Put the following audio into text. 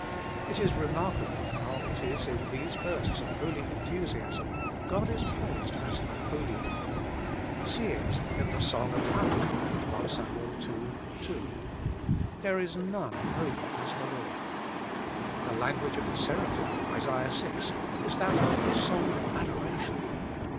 It is remarkable how it is in these outbursts of holy enthusiasm, God is praised as the Holy One. See it in the song of Hannah (1 Sam. ii. 2), 'There is none holy as the Lord.' The language of the Seraphim (Isa. vi.) is that of a song of adoration.